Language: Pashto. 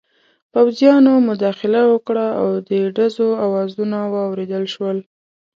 پوځیانو مداخله وکړه او د ډزو اوازونه واورېدل شول.